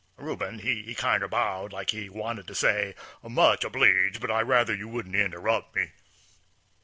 Rubin he kinder bowed, like he wanted to say, "Much obleeged, but I'd rather you wouldn't interrup' me."